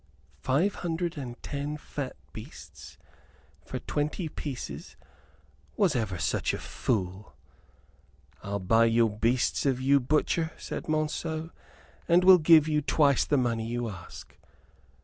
Five hundred and ten fat beasts for twenty pieces! Was ever such a fool? "I'll buy your beasts of you, butcher," said Monceux, "and will give you twice the money you ask."